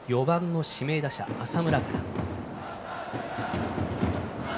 ４番の指名打者・浅村から。